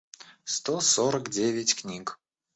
сто сорок девять книг